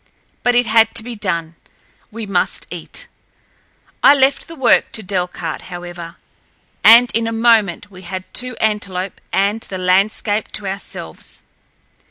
But it had to be done—we must eat. I left the work to Delcarte, however, and in a moment we had two antelope and the landscape to ourselves.